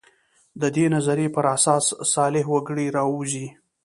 د دې نظریې پر اساس صالح وګړي راووځي.